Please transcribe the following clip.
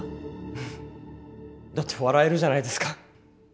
ふっだって笑えるじゃないですか。